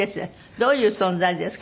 どういう存在ですか？